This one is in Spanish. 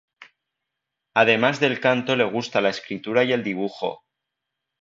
Además del canto le gusta la escritura y el dibujo.